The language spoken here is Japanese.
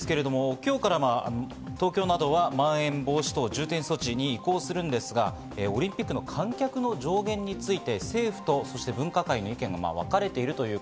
今日から東京などは、まん延防止等重点措置に移行するんですが、オリンピックの観客の上限について、政府と分科会の意見が分かれています。